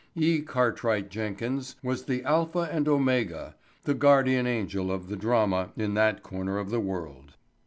E. Cartwright Jenkins was the alpha and omega, the guardian angel of the drama in that corner of the world.